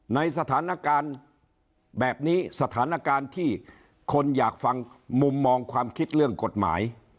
ในสถานการณ์แบบนี้สถานการณ์ที่คนอยากฟังมุมมองความคิดเรื่องกฎหมาย